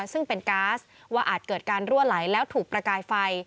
ซึ่งเป็นก๊าซว่าอาจเกิดการรั่วไหลแล้วถูกประกายไฟ